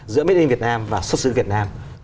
giữa made in việt nam và xuất xứ việt nam